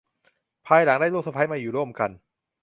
ภายหลังได้ลูกสะใภ้มาอยู่ร่วมกัน